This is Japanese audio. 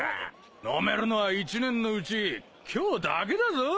飲めるのは一年のうち今日だけだぞ！